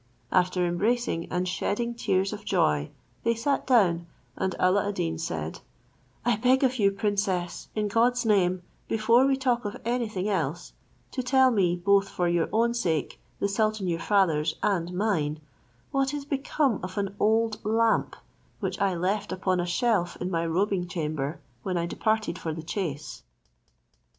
After embracing and shedding tears of joy, they sat down, and Alla ad Deen said, "I beg of you, princess, in God's name, before we talk of anything else, to tell me, both for your own sake, the sultan your father's, and mine, what is become of an old lamp which I left upon a shelf in my robing chamber, when I departed for the chase."